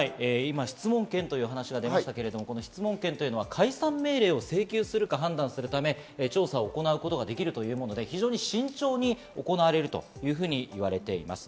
質問権という話が出ましたが、質問権は解散命令を請求するか判断するため、調査を行うことができるというもので非常に慎重に行われるというふうに言われています。